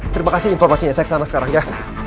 terima kasih informasinya saya ke sana sekarang ya